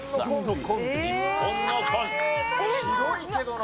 広いけどな。